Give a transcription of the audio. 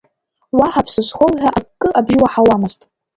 Уаҳа ԥсы зхоу ҳәа акы абжьы уаҳауамызт.